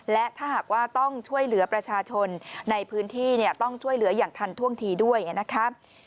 และถ้าหากว่าต้องช่วยเหลือประชาชนในพื้นที่ต้องช่วยเหลืออย่างทันท่วงทีด้วยนะครับ